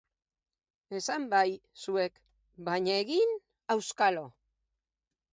Esan bai zuek, baina egin, auskalo...!